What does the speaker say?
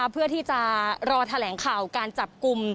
เพื่อที่จะรอแถลงข่าวการจับกลุ่ม